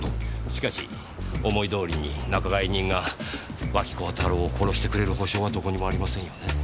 しかし思いどおりに仲買人が脇幸太郎を殺してくれる保証はどこにもありませんよね。